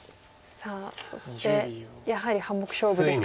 さあそしてやはり半目勝負ですかね。